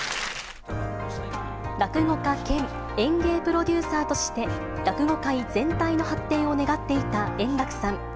落語家兼演芸プロデューサーとして落語界全体の発展を願っていた円楽さん。